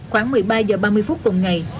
khoảng một mươi ba h ba mươi phút cùng ngày